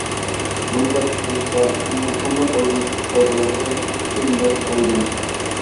بۇنداق ئۇچرىشىشتا كىمنىڭ قانداق ئورۇنغا چۈشۈپ قالىدىغانلىقى كۈندەك ئايدىڭ.